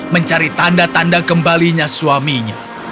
mencari tanda tanda kembalinya suaminya